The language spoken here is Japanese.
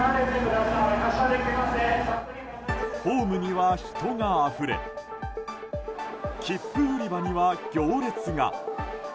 ホームには人があふれ切符売り場には行列が。